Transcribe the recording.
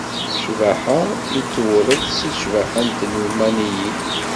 Ccbaḥa i d-tewret seg ccbaḥa n telmaniyin.